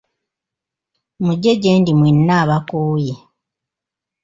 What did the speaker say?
Muje gye ndi mwenna abakooye.